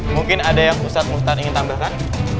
mungkin ada yang ustadz muhtar ingin tambahkan